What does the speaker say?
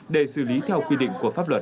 để xử lý theo quy định của pháp luật